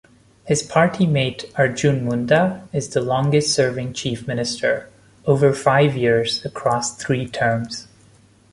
His party-mate Arjun Munda is the longest-serving chief minister-over five years, across three terms.